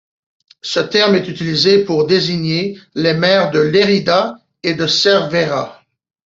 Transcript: Ce terme est utilisé pour désigner les maires de Lérida et de Cervera.